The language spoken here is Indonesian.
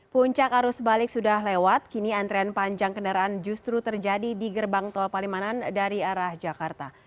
puncak arus balik sudah lewat kini antrean panjang kendaraan justru terjadi di gerbang tol palimanan dari arah jakarta